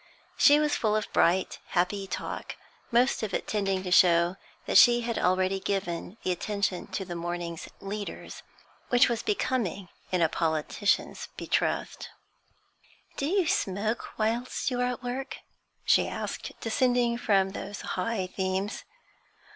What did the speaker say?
She was full of bright, happy talk, most of it tending to show that she had already given the attention to the morning's 'leaders' which was becoming in a politician's betrothed. 'Do you smoke whilst you are at work?' she asked, descending from those high themes.